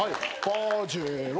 パジェロ！